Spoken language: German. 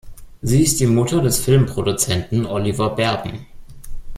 Sie ist die Mutter des Filmproduzenten Oliver Berben.